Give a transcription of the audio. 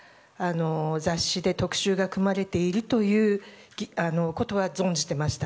雑誌で特集が組まれているということは存じていました。